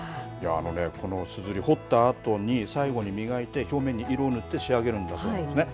すずりを彫ったあとに最後に磨いて表面に色を塗って仕上げるんです。